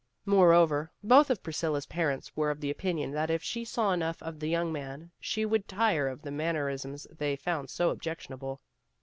Moreover, both of Priscilla's parents were of the opinion that if she saw enough of the young man she would tire of the mannerisms they found so objectionable.